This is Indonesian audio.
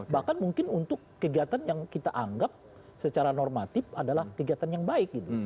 bahkan mungkin untuk kegiatan yang kita anggap secara normatif adalah kegiatan yang baik gitu